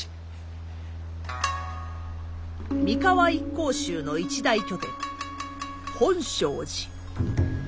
三河一向宗の一大拠点本證寺。